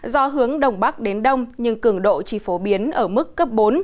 do hướng đông bắc đến đông nhưng cường độ chỉ phổ biến ở mức cấp bốn